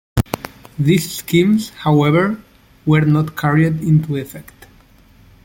These schemes, however, were not carried into effect.